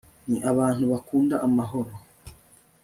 ni abantu bakunda amahoro